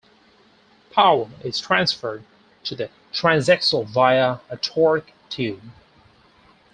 Power is transferred to the transaxle via a torque tube.